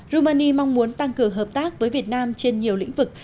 rumani mong muốn tăng cử hợp tác với việt nam trên nhiều lĩnh vực